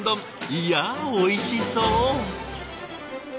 いやおいしそう。